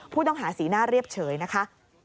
ผู้ต้องหาสีหน้าเรียบเฉยนะคะ